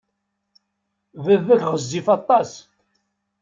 Baba-k ɣezzif aṭas.